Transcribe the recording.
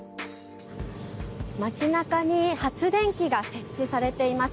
街中に発電機が設置されています。